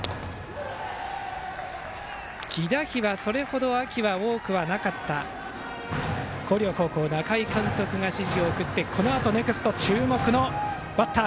犠打飛はそれほど秋は多くなかった広陵高校中井監督が指示を送ってこのあとネクストは注目のバッター